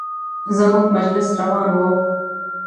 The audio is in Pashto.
زموږ مجلس روان و.